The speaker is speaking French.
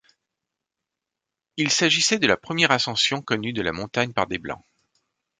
Il s'agissait de la première ascension connue de la montagne par des blancs.